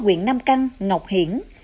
có quyện nam căng ngọc hiển